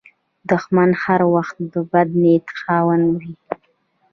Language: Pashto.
دښمن هر وخت د بد نیت خاوند وي